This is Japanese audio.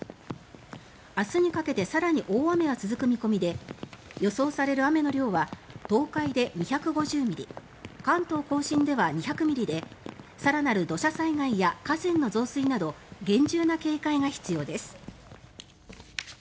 明日にかけて更に大雨は続く見込みで予想される雨の量は東海で２５０ミリ関東・甲信では２００ミリで更なる土砂災害や河川の増水など厳重な警戒が必要です。